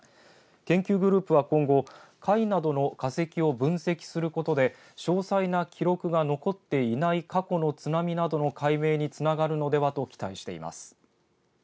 研究グループは今後貝などの化石を分析することで詳細な記録が残っていない過去の津波などの解明につながるのではと期待しています。